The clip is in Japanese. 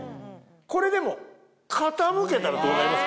これでも傾けたらどうなります？